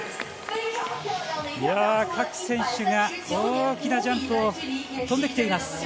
各選手が大きなジャンプを飛んできています。